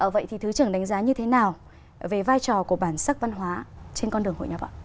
vậy thì thứ trưởng đánh giá như thế nào về vai trò của bản sắc văn hóa trên con đường hội nhập ạ